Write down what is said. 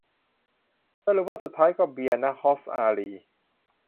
สรุปว่าสุดท้ายก็เบียร์ ณ ฮ็อบส์ อารีย์